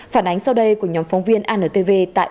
phản ánh sau đây của nhóm phóng viên antv tại bình định